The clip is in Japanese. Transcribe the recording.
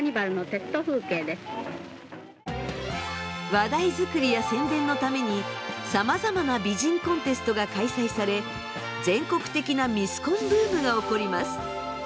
話題作りや宣伝のためにさまざまな美人コンテストが開催され全国的なミスコンブームが起こります。